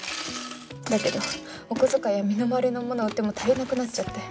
だけどお小遣いや身の回りのものを売っても足りなくなっちゃって。